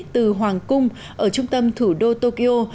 từ hoàng cung ở trung tâm thủ đô tokyo